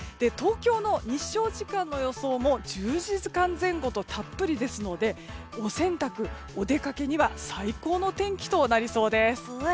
東京の日照時間の予想も１０時間前後とたっぷりですのでお洗濯、お出かけには最高の天気となりそうです。